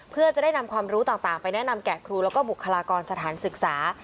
เพื่อจะได้นำความรู้ต่างไปแนะนำแก่ครูแล้วก็บุคลากรสถานศึกษา